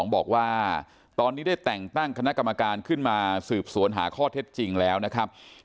บอกว่าตอนนี้ได้แต่งตั้งคณะกรรมการขึ้นมาสืบสวนหาข้อเท็จจริงแล้วนะครับ